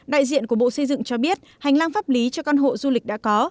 đại diện của bộ xây dựng cho biết hành lang pháp lý cho căn hộ du lịch đã có